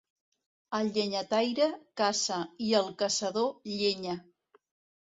Al llenyataire, caça; i al caçador, llenya.